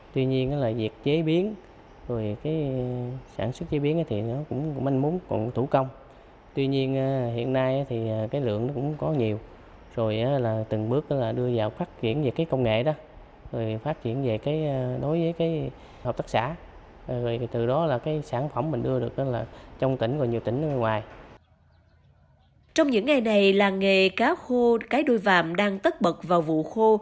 trong những ngày này làng nghề cá khô cái đuôi vạm đang tất bật vào vụ khô